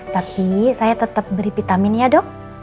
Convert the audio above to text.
tapi saya tetep beri vitaminnya dok